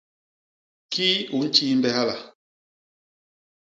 Kii u ntjiimbe hala?